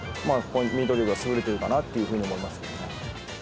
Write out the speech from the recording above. ミート力が優れてるかなっていうふうに思いますね。